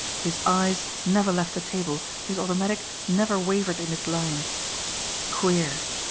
His eyes never left the table ; his automatic never wavered in its line. Queer